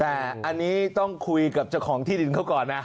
แต่อันนี้ต้องคุยกับเจ้าของที่ดินเขาก่อนนะ